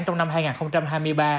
trong năm hai nghìn hai mươi ba